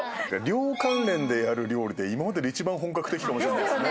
寮関連でやる料理で今までで一番本格的かもしんないですね。